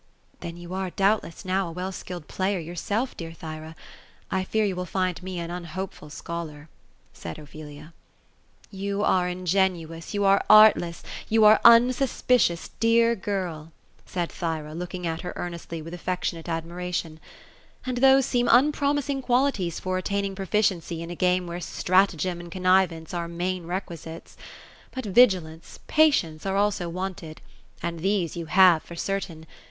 " Then you are, doubtless, now, a well skilled player yourself, dear Thyra. I fear you will find me an unhopeful scholar ;" said Ophelia. '' You are ingenuous, you are artless, you are unsuspicious, dear girl ;" said Thyra. looking at her earnestly, with affectionate admiration ;^ and those seem unpromising qualities for attaining proficiency in a game where stratagem and contrivance are main requisites ; but vigilance, pa tience, arc also wanted ; and these you have, for certain.